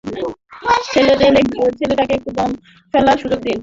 ছেলেটাকে একটু দম ফেলার সুযোগ দিন!